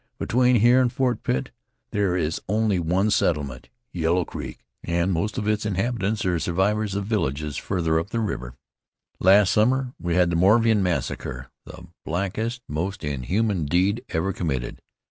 Between here and Fort Pitt there is only one settlement, Yellow Creek, and most of its inhabitants are survivors of abandoned villages farther up the river. Last summer we had the Moravian Massacre, the blackest, most inhuman deed ever committed.